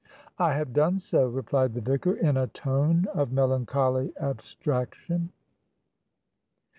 "I have done so," replied the vicar, in a tone of melancholy abstraction.